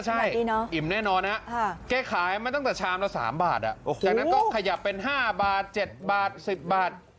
ใช่อิ่มแน่นอนนะแกขายมาตั้งแต่ชามละ๓บาทจากนั้นก็ขยับเป็น๕บาท๗บาท๑๐บาท